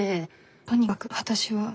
とにかく私は。